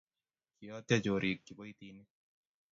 kiiotyo chorik kiboitinik